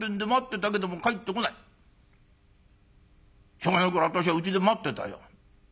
しょうがないから私はうちで待ってたよ。